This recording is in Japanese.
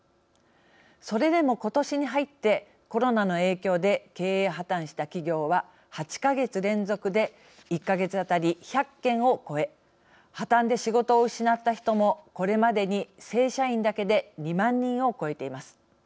それでも、今年に入ってコロナの影響で経営破綻した企業は８か月連続で１か月あたり１００件を超え破綻で仕事を失った人もこれまでに正社員だけで２万人を超えています。